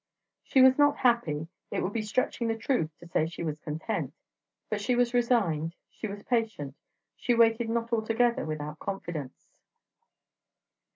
She was not happy, it would be stretching the truth to say she was content, but she was resigned, she was patient, she waited not altogether without confidence....